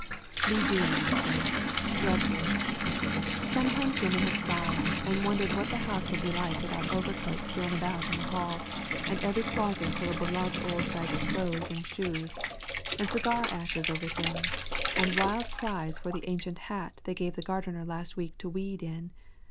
We do like them, dreadfully. Sometimes women have sighed and wondered what the house would be like without overcoats thrown about in the hall, and every closet full of beloved old ragged clothes and shoes, and cigar ashes over things, and wild cries for the ancient hat they gave the gardener last week to weed in.